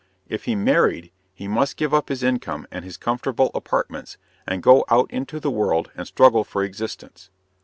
If he married, he must give up his income and his comfortable apartments, and go out into the world and struggle for existence.